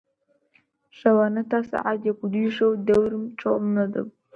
شەوانە تا سەعات یەک و دووی شەو دەورم چۆڵ نەدەبوو